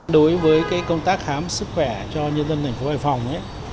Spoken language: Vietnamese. đối với công tác khám sức khỏe cho nhân dân thành phố hải phòng